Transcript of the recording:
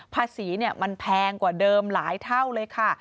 ภาษีมันแพงกว่าเดิมหลายเท่าเลยค่ะ